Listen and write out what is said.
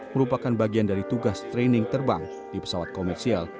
merupakan bagian dari tugas training terbang di pesawat komersial